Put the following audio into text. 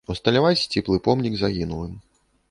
Усталяваць сціплы помнік загінулым.